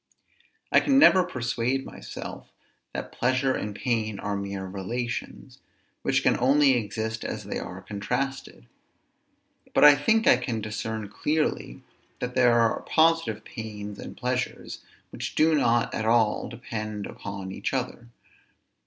I can never persuade myself that pleasure and pain are mere relations, which can only exist as they are contrasted; but I think I can discern clearly that there are positive pains and pleasures, which do not at all depend upon each other.